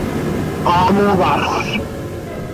সচল চিত্র ধারণ করা হয়েছিলো লস অ্যাঞ্জেলেসে।